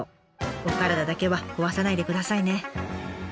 お体だけは壊さないでくださいね。